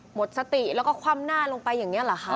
หมดสติแล้วก็คว่ำหน้าลงไปอย่างนี้เหรอคะ